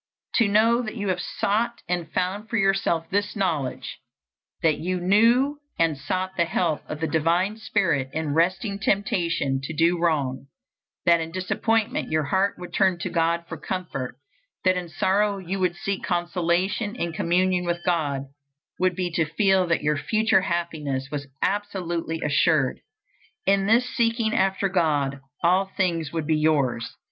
To know that you had sought and found for yourself this knowledge, that you knew and sought the help of the divine spirit in resisting temptation to do wrong, that in disappointment your heart would turn to God for comfort, that in sorrow you would seek consolation in communion with God, would be to feel that your future happiness was absolutely assured. In this seeking after God, all things would be yours.